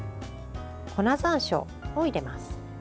粉ざんしょうを入れます。